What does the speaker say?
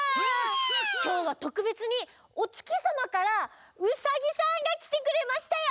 きょうはとくべつにおつきさまからウサギさんがきてくれましたよ！